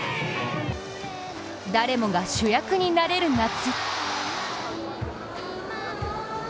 誰もが主役になれる夏。